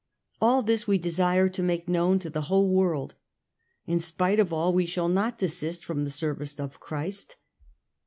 All this we desire to make known to the whole world ; in spite of all we shall not desist from the service of Christ.